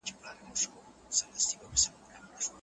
هغه بد عمله دي.